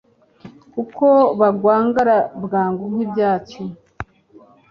kuko bagwangara bwangu nk'ibyatsi